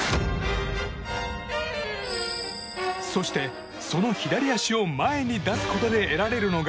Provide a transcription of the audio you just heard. そしてその左足を前に出すことで得られるのが。